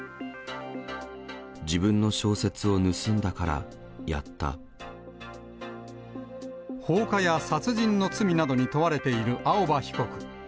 自分の小説を盗んだからやっ放火や殺人の罪などに問われている青葉被告。